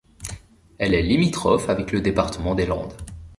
Elle est limitrophe avec le département des Landes.